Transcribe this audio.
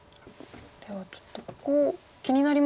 ではちょっとここ気になりますよね。